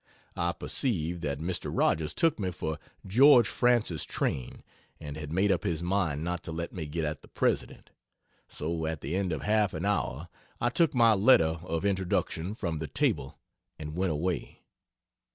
I perceived that Mr. Rodgers took me for George Francis Train and had made up his mind not to let me get at the President; so at the end of half an hour I took my letter of introduction from the table and went away.